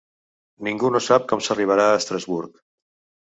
Ningú no sap com s'arribarà a Estrasburg